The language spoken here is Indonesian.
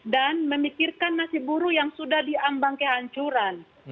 dan memikirkan nasib buruh yang sudah diambang kehancuran